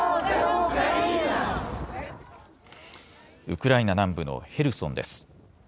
ウクライナ南部のヘルソンです。